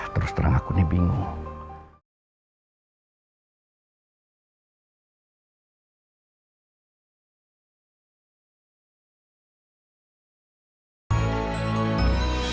terus terang akunya bingung